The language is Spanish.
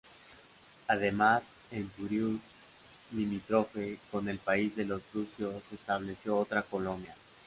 Además en Turios, limítrofe con el país de los brucios, se estableció otra colonia.